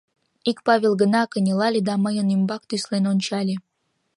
ик Павел гына кынелале да мыйын ӱмбак тӱслен ончале.